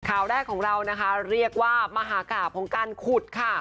ข่าวแรกของเรานะคะเรียกว่ามหากราบของการขุดค่ะ